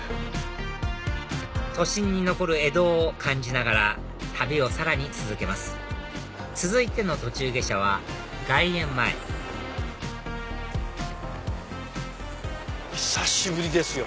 都心に残る江戸を感じながら旅をさらに続けます続いての途中下車は外苑前久しぶりですよ